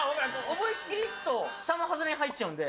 思いっきりいくと、下のハズレに入っちゃうんで。